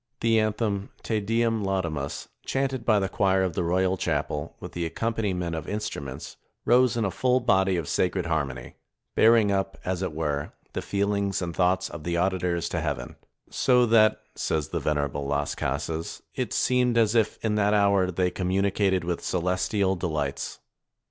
The anthem, Te Deum laudamus, chanted by the choir of the royal chapel, with the accompaniment of instruments, rose in a full body of sacred harmony; bearing up, as it were, the feelings and thoughts of the auditors to heaven, "so that," says the venerable Las Casas, "it seemed as if in that hour they communicated with celestial delights."